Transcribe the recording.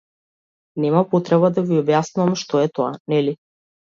Нема потреба да ви објаснувам што е тоа, нели?